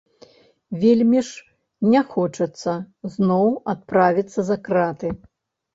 Вельмі ж не хочацца зноў адправіцца за краты.